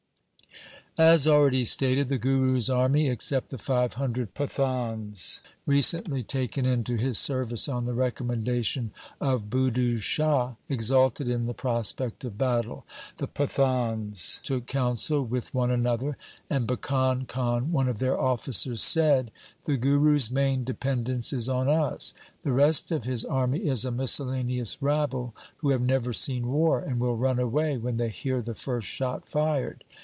As already stated, the Guru's army except the five hundred Pathans recently taken into his service on the recommendation of Budhu Shah, exulted in the prospect of battle. The Pathans took council with one another, and Bhikan Khan, one of their officers, said, ' The Guru's main dependence is on us. The rest of his army is a miscellaneous rabble who have never seen war, and will run away when they hear the first shot fired.